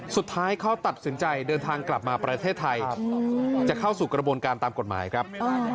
สุดท้ายเขาตัดสินใจเดินทางกลับมาประเทศไทยจะเข้าสู่กระบวนการตามกฎหมายครับ